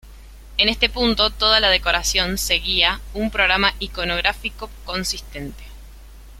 En este punto, toda la decoración seguía un programa iconográfico consistente.